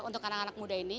untuk anak anak muda ini